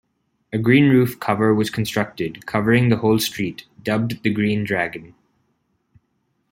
A green roof cover was constructed, covering the whole street, dubbed the "Green Dragon".